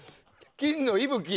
金のいぶき。